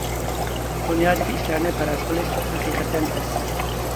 دۇنيادىكى ئىشلارنى پەرەز قىلىش ھەقىقەتەن تەس.